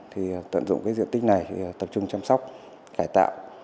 thì tận dụng cái diện tích này tập trung chăm sóc cải tạo